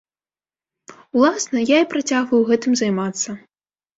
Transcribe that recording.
Уласна, я і працягваю гэтым займацца.